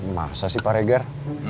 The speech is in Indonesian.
masa sih pak regar